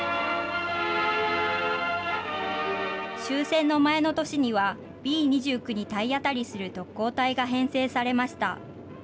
終戦の前の年には、Ｂ２９に体当たりする特攻隊が編成されました。